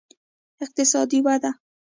اقتصادي ودې